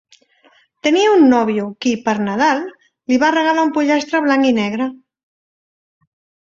Tenia un nóvio, qui, per Nadal, li va regalar un pollastre blanc i negre.